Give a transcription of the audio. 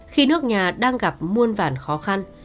khi nước nhà đang gặp muôn vản khó khăn